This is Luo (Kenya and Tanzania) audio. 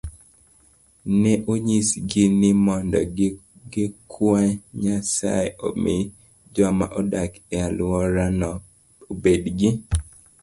Ne onyisgi ni mondo gikwa Nyasaye omi joma odak e alworano obed gi